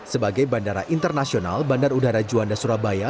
sebagai bandara internasional bandar udara juanda surabaya